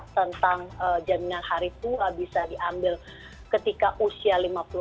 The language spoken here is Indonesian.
tentang jaminan hari tua bisa diambil ketika usia lima puluh empat